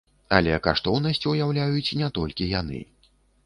Але каштоўнасць уяўляюць не толькі яны.